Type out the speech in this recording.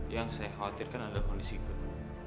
yang saya khawatirkan adalah kondisi itu